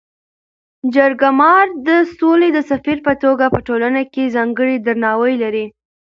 جرګه مار د سولي د سفیر په توګه په ټولنه کي ځانګړی درناوی لري.